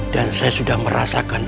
dan saya sudah merasakan